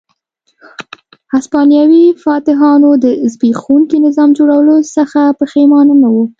هسپانوي فاتحانو د زبېښونکي نظام جوړولو څخه پښېمانه نه وو.